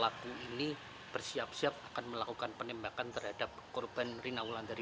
kamu tidak bisa menyebabkan penembakan terhadap korban rina wulandari